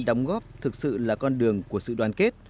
đóng góp thực sự là con đường của sự đoàn kết